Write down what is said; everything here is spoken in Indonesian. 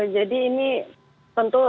jadi ini tentu